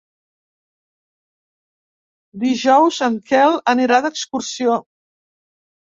Dijous en Quel anirà d'excursió.